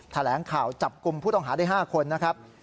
แถลงข่าวจับกลุ่มผู้ต้องหาได้๕คนนะครับ